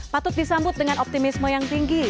patut disambut dengan optimisme yang tinggi